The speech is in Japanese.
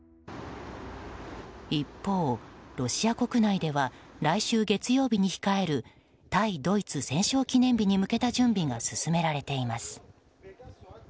一方、ロシア国内では来週月曜日に控える対ドイツ戦勝記念日に向けた準備が進められています。